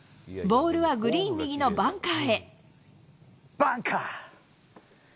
ボールはグリーン右のバンカバンカー。